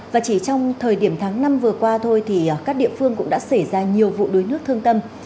và chỉ trong thời điểm tháng năm vừa qua thôi thì các địa phương cũng đã xảy ra nhiều vụ đuối nước thương tâm